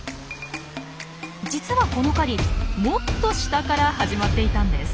実はこの狩りもっと下から始まっていたんです。